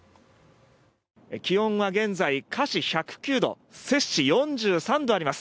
気温は現在カ氏１０９度セ氏４３度あります。